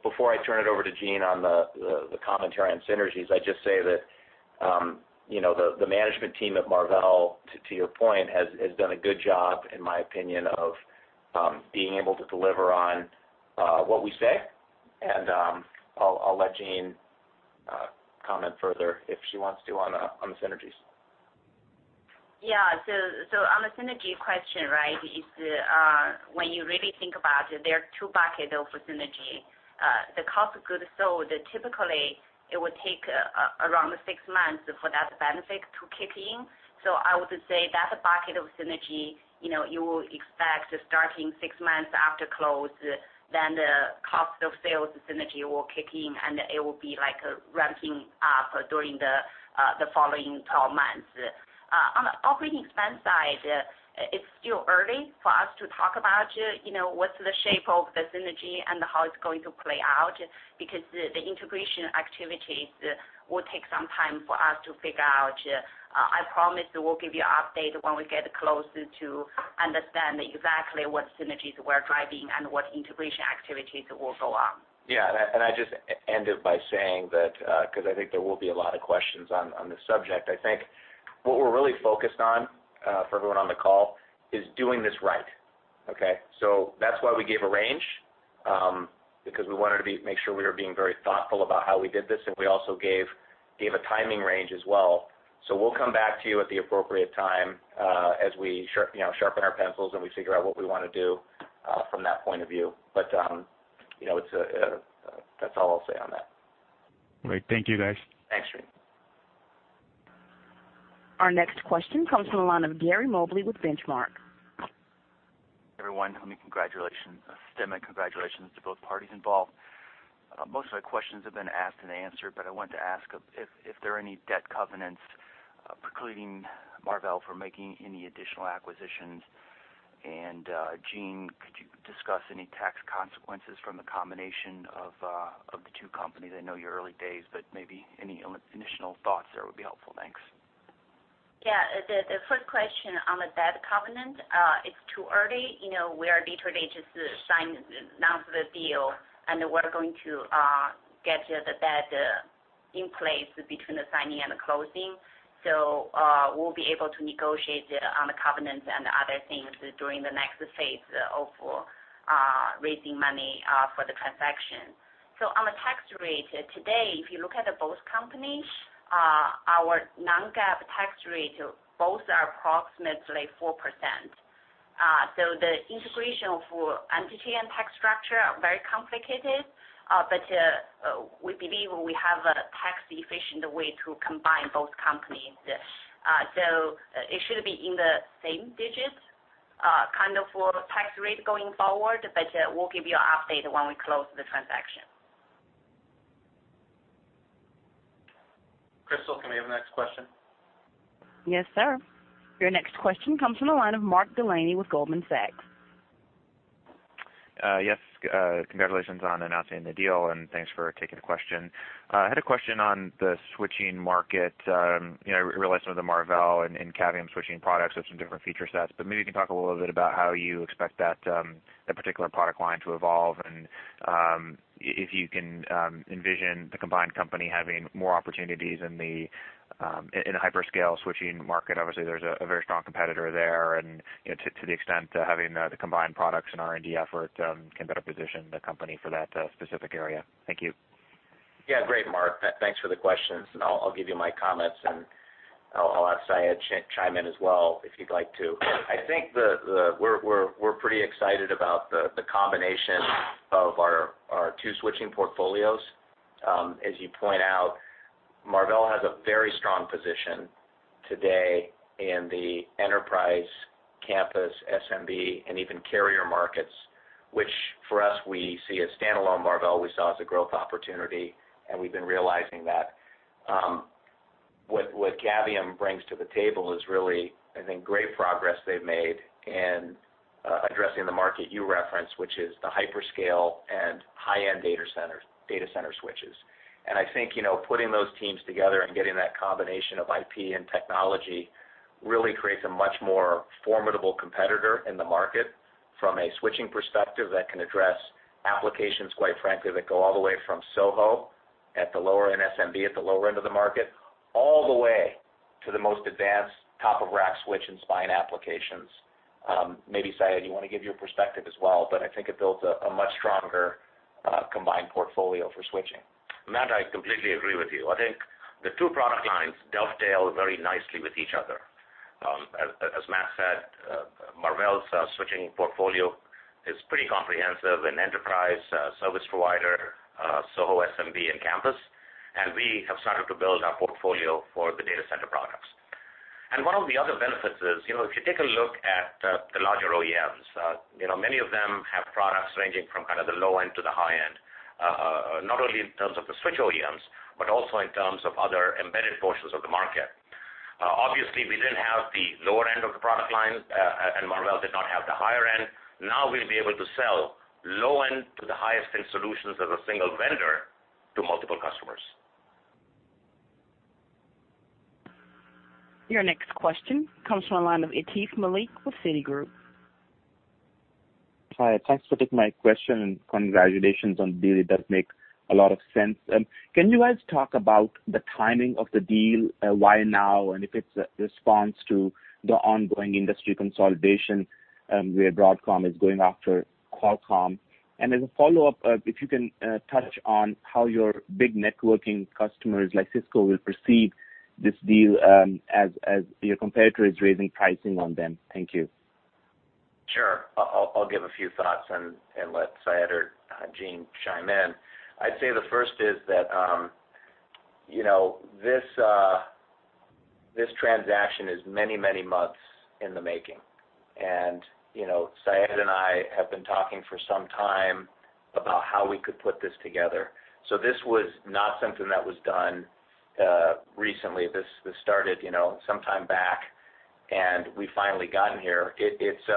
C: Before I turn it over to Jean on the commentary on synergies, I'd just say that the management team at Marvell, to your point, has done a good job, in my opinion, of being able to deliver on what we say. I'll let Jean comment further if she wants to on the synergies.
E: Yeah. On the synergy question, when you really think about it, there are two buckets of synergy. The cost of goods sold, typically, it would take around six months for that benefit to kick in. I would say that bucket of synergy, you will expect starting six months after close. The cost of sales synergy will kick in. It will be ramping up during the following 12 months. On the operating expense side, it's still early for us to talk about what's the shape of the synergy and how it's going to play out because the integration activities will take some time for us to figure out. I promise we'll give you an update when we get closer to understand exactly what synergies we're driving and what integration activities will go on.
C: Yeah. I just end it by saying that, because I think there will be a lot of questions on this subject, I think what we're really focused on, for everyone on the call, is doing this right. Okay. That's why we gave a range, because we wanted to make sure we were being very thoughtful about how we did this. We also gave a timing range as well. We'll come back to you at the appropriate time, as we sharpen our pencils and we figure out what we want to do from that point of view. That's all I'll say on that.
M: Great. Thank you, guys.
C: Thanks, Srinivas.
A: Our next question comes from the line of Gary Mobley with Benchmark.
N: Everyone, congratulations. A sentiment of congratulations to both parties involved. Most of my questions have been asked and answered, but I wanted to ask if there are any debt covenants precluding Marvell from making any additional acquisitions? Jean, could you discuss any tax consequences from the combination of the two companies? I know you're early days, but maybe any initial thoughts there would be helpful. Thanks.
E: The first question on the debt covenant, it's too early. We are literally just announced the deal, and we're going to get the debt in place between the signing and the closing. We'll be able to negotiate on the covenants and other things during the next phase of raising money for the transaction. On the tax rate, today, if you look at both companies, our non-GAAP tax rate both are approximately 4%. The integration for entity and tax structure are very complicated, but we believe we have a tax-efficient way to combine both companies. It should be in the same digits for tax rate going forward, but we'll give you an update when we close the transaction.
C: Crystal, can we have the next question?
A: Yes, sir. Your next question comes from the line of Mark Delaney with Goldman Sachs.
O: Yes. Congratulations on announcing the deal. Thanks for taking the question. I had a question on the switching market. I realize some of the Marvell and Cavium switching products have some different feature sets, but maybe you can talk a little bit about how you expect that particular product line to evolve and if you can envision the combined company having more opportunities in the hyperscale switching market. Obviously, there's a very strong competitor there, and to the extent having the combined products and R&D effort can better position the company for that specific area. Thank you.
C: Yeah. Great, Mark. Thanks for the questions. I'll give you my comments, and I'll ask Syed to chime in as well, if you'd like to. I think that we're pretty excited about the combination of our two switching portfolios. As you point out, Marvell has a very strong position today in the enterprise campus, SMB, and even carrier markets, which for us, we see as standalone Marvell, we saw as a growth opportunity, and we've been realizing that. What Cavium brings to the table is really, I think, great progress they've made in addressing the market you referenced, which is the hyperscale and high-end data center switches. I think putting those teams together and getting that combination of IP and technology really creates a much more formidable competitor in the market from a switching perspective that can address applications, quite frankly, that go all the way from SOHO at the lower end SMB, at the lower end of the market, all the way to the most advanced top-of-rack switch and spine applications. Maybe, Syed, you want to give your perspective as well, but I think it builds a much stronger combined portfolio for switching.
D: Matt, I completely agree with you. I think the two product lines dovetail very nicely with each other. As Matt said, Marvell's switching portfolio is pretty comprehensive in enterprise, service provider, SOHO, SMB, and campus, and we have started to build our portfolio for the data center products. One of the other benefits is, if you take a look at the larger OEMs, many of them have products ranging from kind of the low end to the high end, not only in terms of the switch OEMs, but also in terms of other embedded portions of the market. Obviously, we didn't have the lower end of the product line, and Marvell did not have the higher end. Now we'll be able to sell low end to the highest end solutions as a single vendor to multiple customers.
A: Your next question comes from the line of Atif Malik with Citigroup.
P: Hi. Thanks for taking my question and congratulations on the deal. It does make a lot of sense. Can you guys talk about the timing of the deal? Why now? If it's a response to the ongoing industry consolidation, where Broadcom is going after Qualcomm. As a follow-up, if you can touch on how your big networking customers like Cisco will perceive this deal as your competitor is raising pricing on them. Thank you.
C: Sure. I'll give a few thoughts and let Syed or Jean chime in. I'd say the first is that this transaction is many months in the making. Syed and I have been talking for some time about how we could put this together. This was not something that was done recently. This started sometime back, and we've finally gotten here. It's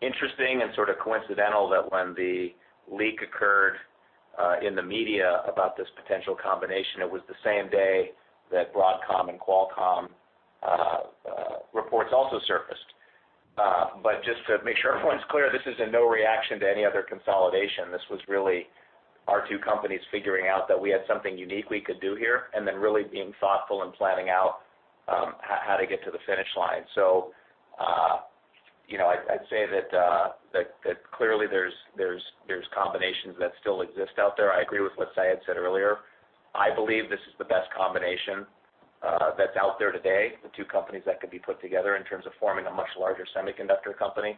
C: interesting and sort of coincidental that when the leak occurred in the media about this potential combination, it was the same day that Broadcom and Qualcomm reports also surfaced. Just to make sure everyone's clear, this is in no reaction to any other consolidation. This was really our two companies figuring out that we had something unique we could do here, and then really being thoughtful and planning out how to get to the finish line. I'd say that clearly there's combinations that still exist out there. I agree with what Syed said earlier. I believe this is the best combination that's out there today, the two companies that could be put together in terms of forming a much larger semiconductor company.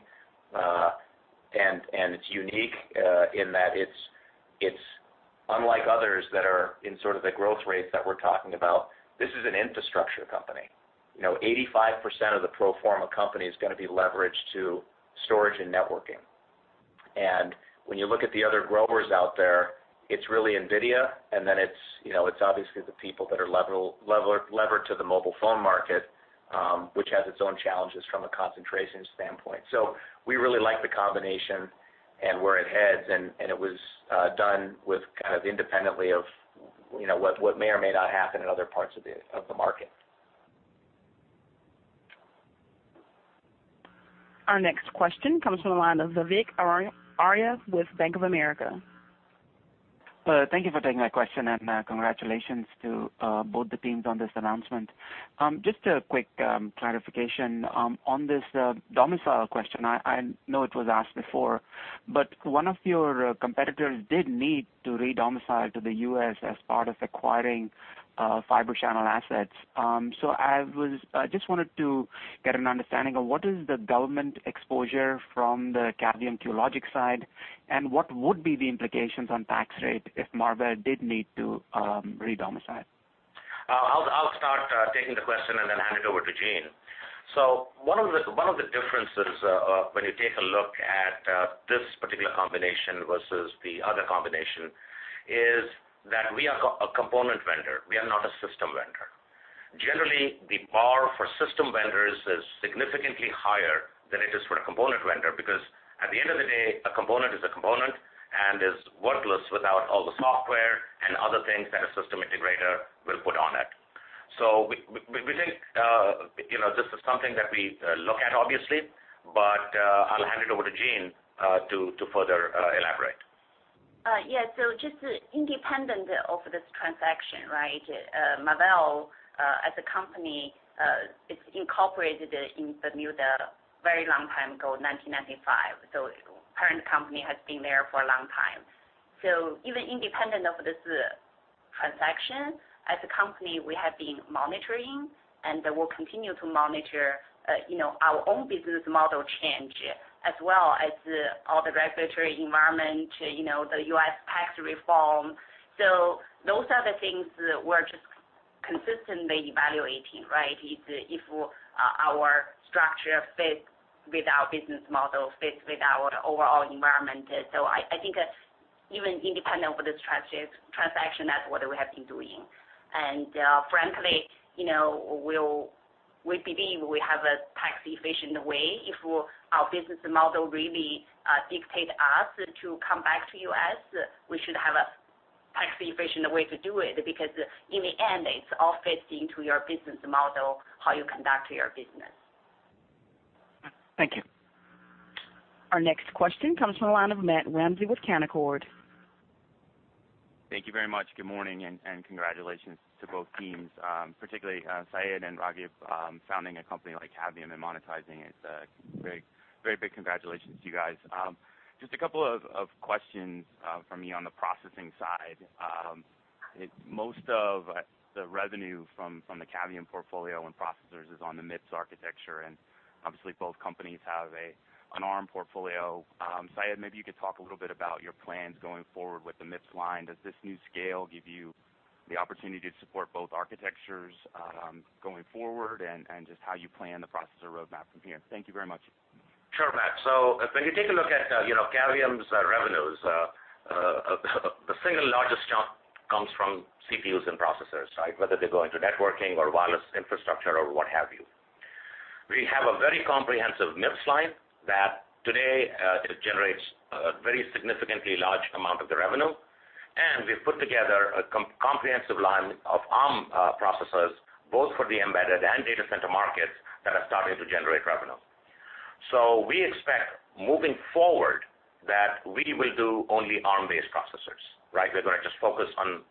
C: It's unique in that it's unlike others that are in sort of the growth rates that we're talking about. This is an infrastructure company. 85% of the pro forma company is going to be leveraged to storage and networking. When you look at the other growers out there, it's really Nvidia and then it's obviously the people that are levered to the mobile phone market, which has its own challenges from a concentration standpoint. We really like the combination and where it heads, it was done with kind of independently of what may or may not happen in other parts of the market.
A: Our next question comes from the line of Vivek Arya with Bank of America.
Q: Thank you for taking my question and congratulations to both the teams on this announcement. Just a quick clarification on this domicile question. I know it was asked before, one of your competitors did need to re-domicile to the U.S. as part of acquiring Fibre Channel assets. I just wanted to get an understanding of what is the government exposure from the Cavium QLogic side, and what would be the implications on tax rate if Marvell did need to re-domicile?
D: I'll start taking the question and then hand it over to Jean. One of the differences when you take a look at this particular combination versus the other combination is that we are a component vendor. We are not a system vendor. Generally, the bar for system vendors is significantly higher than it is for a component vendor because at the end of the day, a component is a component and is worthless without all the software and other things that a system integrator will put on it. We think this is something that we look at, obviously, but I'll hand it over to Jean to further elaborate.
E: Yeah. Just independent of this transaction, Marvell, as a company, is incorporated in Bermuda very long time ago, 1995. Parent company has been there for a long time. Even independent of this transaction, as a company, we have been monitoring, and we'll continue to monitor our own business model change as well as all the regulatory environment, the U.S. tax reform. Those are the things that we're just consistently evaluating. If our structure fits with our business model, fits with our overall environment. I think even independent of this transaction, that's what we have been doing. Frankly, we believe we have a tax efficient way if our business model really dictate us to come back to U.S., we should have a tax efficient way to do it, because in the end, it all fits into your business model, how you conduct your business.
Q: Thank you.
A: Our next question comes from the line of Matt Ramsay with Canaccord.
R: Thank you very much. Good morning, and congratulations to both teams, particularly Syed and Raghib founding a company like Cavium and monetizing it. Very big congratulations to you guys. Just a couple of questions from me on the processing side. Most of the revenue from the Cavium portfolio and processors is on the MIPS architecture, and obviously both companies have an Arm portfolio. Syed, maybe you could talk a little bit about your plans going forward with the MIPS line. Does this new scale give you the opportunity to support both architectures going forward and just how you plan the processor roadmap from here? Thank you very much.
D: Sure, Matt. When you take a look at Cavium's revenues, the single largest chunk comes from CPUs and processors. Whether they go into networking or wireless infrastructure or what have you. We have a very comprehensive MIPS line that today generates a very significantly large amount of the revenue, and we've put together a comprehensive line of Arm processors, both for the embedded and data center markets that are starting to generate revenue. We expect moving forward that we will do only Arm-based processors. We're going to just focus on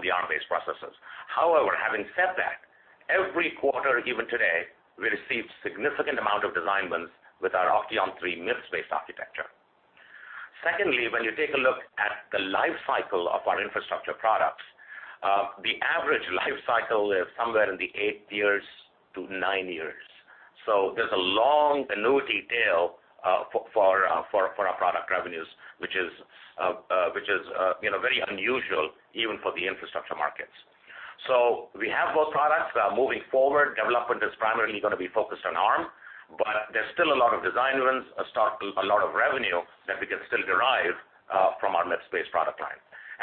D: the Arm-based processors. However, having said that, every quarter, even today, we receive significant amount of design wins with our OCTEON III MIPS-based architecture. Secondly, when you take a look at the life cycle of our infrastructure products, the average life cycle is somewhere in the eight years to nine years. There's a long annuity tail for our product revenues, which is very unusual even for the infrastructure markets. We have both products moving forward. Development is primarily going to be focused on Arm, but there's still a lot of design wins, a lot of revenue that we can still derive from our MIPS-based product line.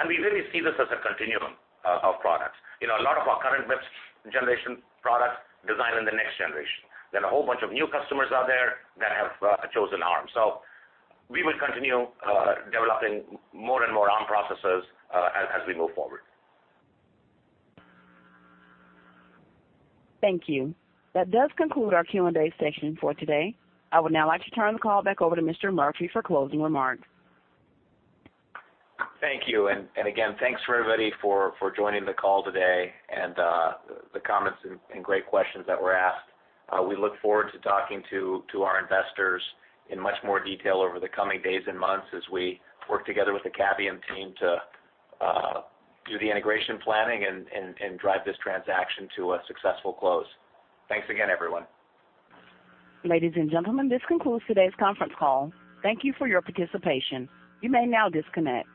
D: We really see this as a continuum of products. A lot of our current MIPS generation products design in the next generation. There are a whole bunch of new customers out there that have chosen Arm. We will continue developing more and more Arm processors as we move forward.
A: Thank you. That does conclude our Q&A session for today. I would now like to turn the call back over to Mr. Murphy for closing remarks.
C: Thank you. Again, thanks for everybody for joining the call today and the comments and great questions that were asked. We look forward to talking to our investors in much more detail over the coming days and months as we work together with the Cavium team to do the integration planning and drive this transaction to a successful close. Thanks again, everyone.
A: Ladies and gentlemen, this concludes today's conference call. Thank you for your participation. You may now disconnect.